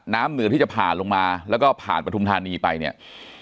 เหนือที่จะผ่านลงมาแล้วก็ผ่านปฐุมธานีไปเนี่ย